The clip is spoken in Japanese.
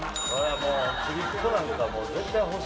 もうちびっ子なんかは絶対欲しいから。